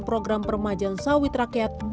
program peremajaan sawit rakyat bukan dilengkapi